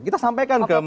kita sampaikan ke mas dem